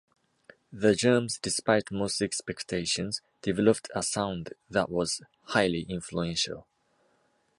The Germs, despite most expectations, developed a sound that was highly influential.